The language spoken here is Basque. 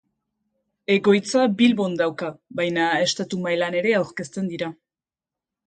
Egoitza Bilbon dauka, baina estatu mailan ere aurkezten dira.